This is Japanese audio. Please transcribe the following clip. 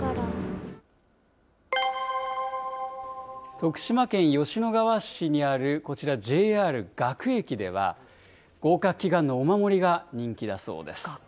徳島県吉野川市にあるこちら、ＪＲ学駅では、合格祈願のお守りが人気だそうです。